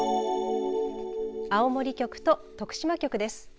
青森局と徳島局です。